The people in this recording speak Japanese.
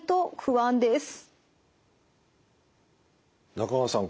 中川さん